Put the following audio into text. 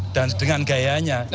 dan dengan gayanya